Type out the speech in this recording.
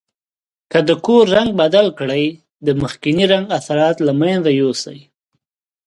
که د کور رنګ بدل کړئ د مخکني رنګ اثرات له منځه یوسئ.